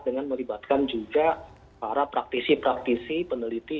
dengan melibatkan juga para praktisi praktisi peneliti